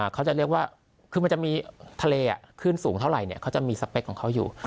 เขาจะเรียกว่าคือมันจะมีทะเลขึ้นสูงเท่าไหร่เขาจะมีสเปคของเขาอยู่